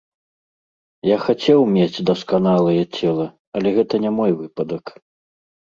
Я хацеў мець дасканалае цела, але гэта не мой выпадак.